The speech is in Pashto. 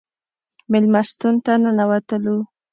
مېلمستون ته ننوتلو.